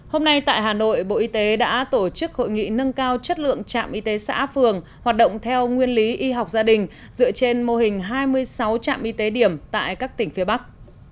hôm nay tại hà nội bộ y tế đã tổ chức hội nghị nâng cao chất lượng trạm y tế xã phường hoạt động theo nguyên lý y học gia đình dựa trên mô hình hai mươi sáu trạm y tế điểm tại các tỉnh phía bắc